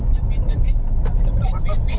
โดยที่ปิดแยร์ไว้เครื่องไม้บิน